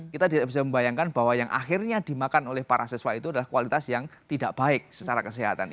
kita tidak bisa membayangkan bahwa yang akhirnya dimakan oleh para siswa itu adalah kualitas yang tidak baik secara kesehatan